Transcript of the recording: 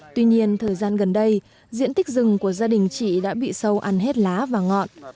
tuy nhiên thời gian gần đây diện tích rừng của gia đình chị đã bị sâu ăn hết lá và ngọn